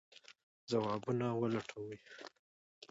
ځوابونه ولټوئ.